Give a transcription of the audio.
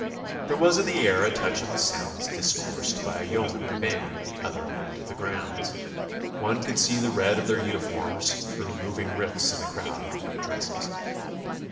There was in the air a touch of the sounds discoursed by a yeomanry band at the other end of the grounds. One could see the red of their uniforms through moving rifts in the crowd of white dresses.